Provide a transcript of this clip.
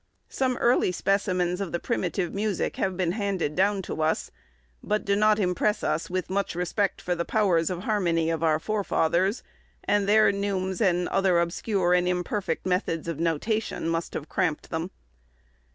Some early specimens of the primitive music have been handed down to us, but do not impress us with much respect for the powers of harmony of our forefathers, and their neumes, and other obscure and imperfect methods of notation, must have cramped them.